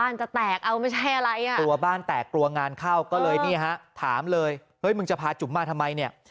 จะแตกเอาไม่ใช่อะไรอ่ะตัวบ้านแตกกลัวงานเข้าก็เลยนี่ฮะถามเลยเฮ้ยมึงจะพาจุ๋มมาทำไมเนี่ย